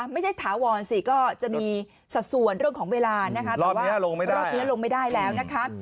ถาวรสิก็จะมีสัดส่วนเรื่องของเวลานะคะแต่ว่ารอบนี้ลงไม่ได้แล้วนะคะ